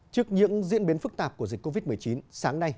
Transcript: trước những diễn biến phức tạp của dịch covid một mươi chín sáng nay